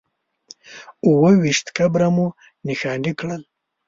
اووه ویشت قبره مو نښانې کړل.